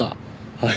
はい。